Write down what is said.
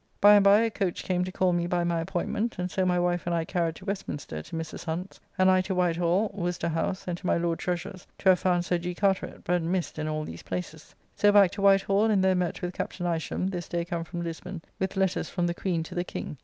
By and by a coach came to call me by my appointment, and so my wife and I carried to Westminster to Mrs. Hunt's, and I to Whitehall, Worcester House, and to my Lord Treasurer's to have found Sir G. Carteret, but missed in all these places. So back to White Hall, and there met with Captn. Isham, this day come from Lisbon, with letters from the Queen to the King.